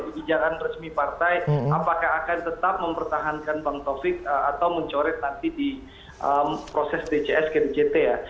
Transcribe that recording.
kebijakan resmi partai apakah akan tetap mempertahankan bang taufik atau mencoret nanti di proses dcs ke dct ya